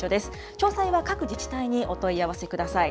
詳細は各自治体にお問い合わせください。